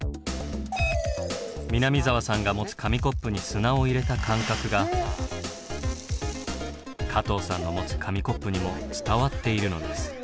南澤さんが持つ紙コップに砂を入れた感覚が加藤さんの持つ紙コップにも伝わっているのです。